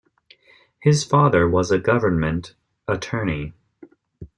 His father was a government attorney.